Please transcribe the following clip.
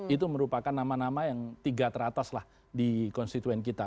itu merupakan nama nama yang tiga teratas lah di konstituen kita